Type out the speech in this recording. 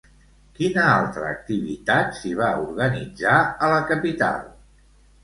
Quina altra activitat s'hi va organitzar a la capital?